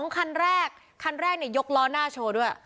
คันแรกคันแรกยกล้อหน้าโชว์ด้วย